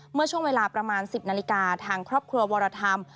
เมื่อช่วงเวลาประมาณ๑๐นาฬิกาทางครอบครัววรธรรม